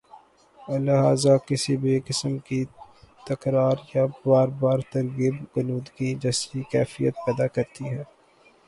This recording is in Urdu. لہذا کسی بھی قسم کی تکرار یا بار بار ترغیب غنودگی جیسی کیفیت پیدا کرتی ہے